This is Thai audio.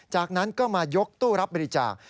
จากนั้นก็มายกตู้รับบริจาค